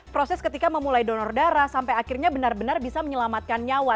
proses ketika memulai donor darah sampai akhirnya benar benar bisa menyelamatkan nyawa